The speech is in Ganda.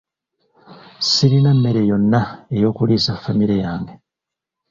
Sirina mmere yonna ey'okuliisa famire yange.